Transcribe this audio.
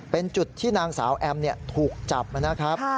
เป็นจุดที่นางสาวแอมถูกจับนะครับ